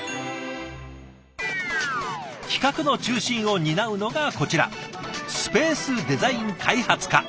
企画の中心を担うのがこちらスペースデザイン開発課。